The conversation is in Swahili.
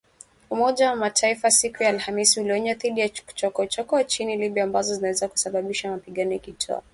Umoja wa Mataifa siku ya Alhamis ulionya dhidi ya chokochoko nchini Libya ambazo zinaweza kusababisha mapigano ikitoa ripoti za waasi.